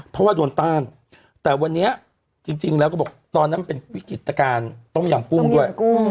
เพราะว่าโดนต้านแต่วันเนี้ยจริงจริงแล้วก็บอกตอนนั้นเป็นวิกฤตการณ์ต้องหยั่งกุ้งด้วยต้องหยั่งกุ้ง